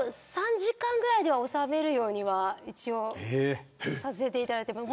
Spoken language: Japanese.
３時間ぐらいで収めるようにはさせていただいています。